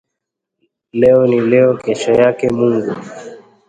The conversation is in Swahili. Leo ni leo, kesho yake mungu